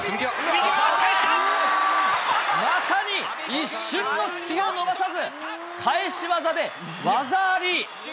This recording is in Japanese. まさに一瞬の隙を逃さず、かえし技で技あり。